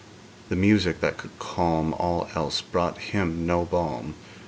The music that could calm All else brought him no balm.